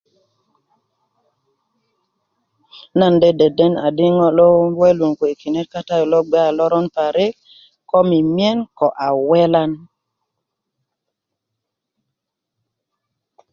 na de deden a di ŋo lo wewelun kuwe kinet katayu lo gbe a loron parik ko mimiyen ko a welań